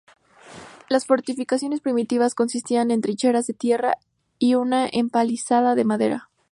Las fortificaciones primitivas consistían en trincheras de tierra y una empalizada de madera.